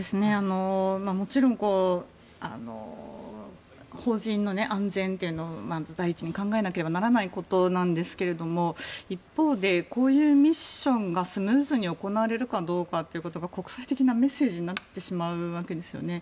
もちろん邦人の安全というのを第一に考えなければならないことなんですが一方でこういうミッションがスムーズに行われるかどうかということは国際的なメッセージになってしまうわけですよね。